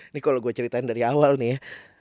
ini kalau gue ceritain dari awal nih ya